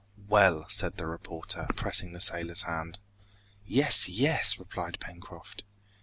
"Well!" said the reporter, pressing the sailor's hand. "Yes yes!" replied Pencroft.